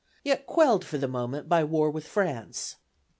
yet quelled for the moment by war with France.